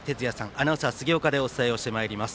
アナウンサー杉岡でお伝えします。